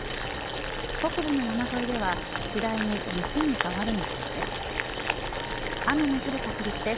北部の山沿いでは次第に雪に変わる見込みです。